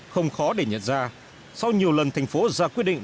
không khó để nhận ra sau nhiều lần thành phố ra quyết định